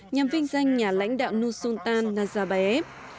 nhằm vinh danh nhà lãnh đạo nusultan nazarbayev